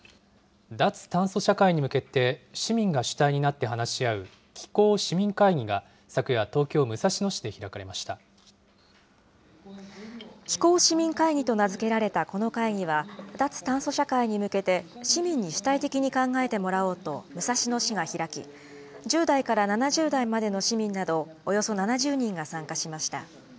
脱炭素社会に向けて、市民が主体になって話し合う、気候市民会議が昨夜、東京・武蔵野気候市民会議と名付けられたこの会議は、脱炭素社会に向けて、市民に主体的に考えてもらおうと武蔵野市が開き、１０代から７０代までの市民など、およそ７０人が参加しました。